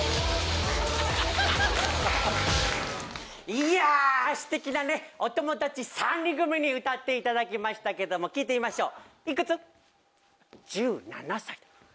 いやステキなお友達３人組に歌っていただきましたけども聞いてみましょう。